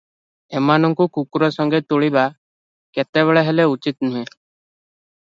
ଏମାନଙ୍କୁ କୁକୁର ସଙ୍ଗେ ତୁଳିବା କେତେବେଳେ ହେଲେ ଉଚିତ୍ ନୁହେଁ ।